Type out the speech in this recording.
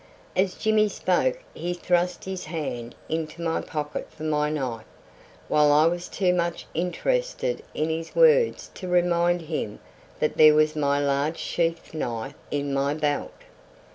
As Jimmy spoke he thrust his hand into my pocket for my knife, while I was too much interested in his words to remind him that there was my large sheath knife in my belt.